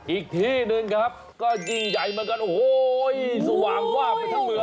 อีกที่หนึ่งครับก็ยิ่งใหญ่เหมือนกันโอ้โหสว่างวาบไปทั้งเมือง